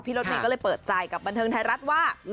รถเมย์ก็เลยเปิดใจกับบันเทิงไทยรัฐว่า